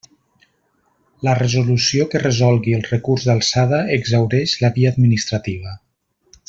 La resolució que resolgui el recurs d'alçada exhaureix la via administrativa.